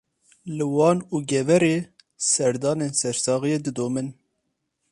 Li Wan û Geverê, serdanên sersaxiyê didomin